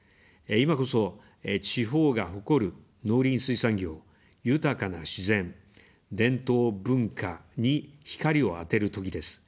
今こそ、地方が誇る農林水産業、豊かな自然、伝統・文化に光を当てるときです。